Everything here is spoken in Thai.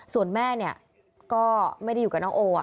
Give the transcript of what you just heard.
ส่วนแม่เนี่ยก็ไม่ได้อยู่กับน้องโอ